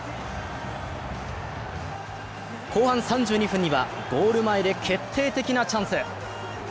後半３２分には、ゴール前で決定的なチャンス。